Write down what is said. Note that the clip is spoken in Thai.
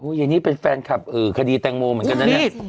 ยายนี่เป็นแฟนคลับคดีแตงโมเหมือนกันนะเนี่ย